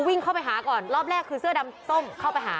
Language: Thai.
วิ่งเข้าไปหาก่อนรอบแรกคือเสื้อดำส้มเข้าไปหา